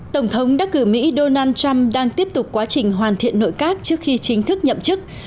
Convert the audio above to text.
tổng thống đắc cử mỹ donald trump đang tiếp tục quá trình hoàn thiện nội các trước khi chính thức nhậm chức